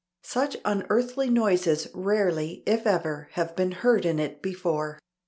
Such unearthly noises rarely, if ever, have been heard in it before.